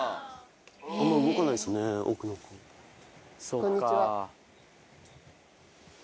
こんにちは。